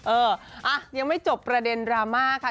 เอออ่ะยังไม่จบประเด็นดราม่าค่ะ